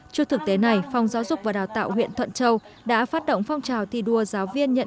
trước thực tế này phòng giáo dục và đào tạo huyện thuận châu vẫn còn nhiều học sinh có hoàn cảnh đặc biệt khó khăn không đủ điều kiện để đi học